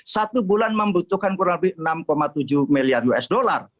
satu bulan membutuhkan kurang lebih enam tujuh miliar usd